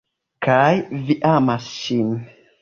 Kaj vi amas ŝin?